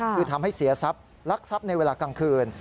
คือทำให้เสียทรัพย์ลักทรัพย์ในเวลากลางคืน